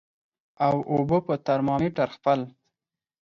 او اوبو په ترمامیټر خپل